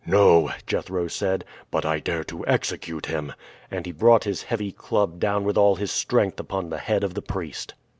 "No," Jethro said, "but I dare to execute him," and he brought his heavy club down with all his strength upon the head of the priest.